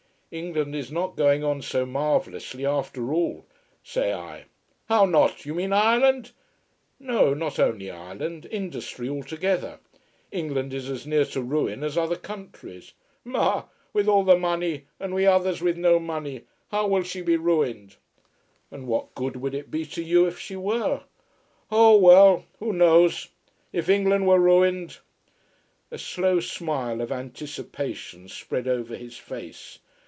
"England is not going on so marvellously, after all," say I. "How not? You mean Ireland?" "No, not only Ireland. Industry altogether. England is as near to ruin as other countries." "Ma! With all the money, and we others with no money? How will she be ruined?" "And what good would it be to you if she were?" "Oh well who knows. If England were ruined " a slow smile of anticipation spread over his face.